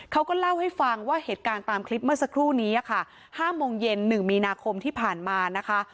เขาก็เล่าให้ฟังว่าเหตุการณ์ตามคลิปเมื่อสักครู่นี้ค่ะ๕โมงเย็น๑มีนาคมที่ผ่านมานะคะ